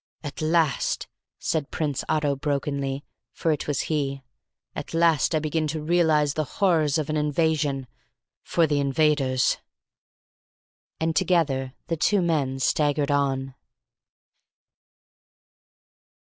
"At last," said Prince Otto brokenly, for it was he, "at last I begin to realise the horrors of an invasion for the invaders." And together the two men staggered on.